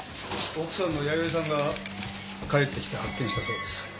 奥さんの弥生さんが帰ってきて発見したそうです。